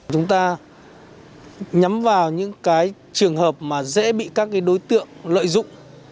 chúng ta nhắm vào những cái trường hợp mà dễ bị các đối tượng lợi dụng